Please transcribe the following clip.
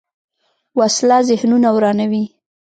وسله ذهنونه ورانوي